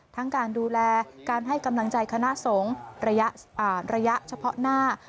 การดูแลการให้กำลังใจคณะสงฆ์ระยะเฉพาะหน้า